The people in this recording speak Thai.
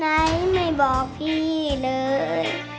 เจ้าไปไหนไม่บอกพี่เลย